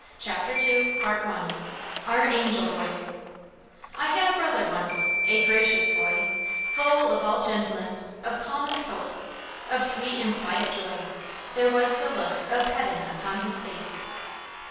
CHAPTER II Our Angel Boy "I had a brother once a gracious boy, Full of all gentleness, of calmest hope, Of sweet and quiet joy, there was the look Of heaven upon his face."